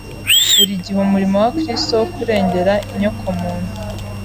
buri gihe umurimo wa Kristo wo kurengera inyokomuntu.